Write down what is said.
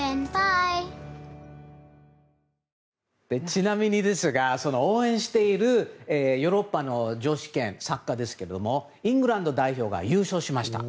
ちなみにその応援しているヨーロッパの女子選手権サッカーですがイングランド代表が優勝しました。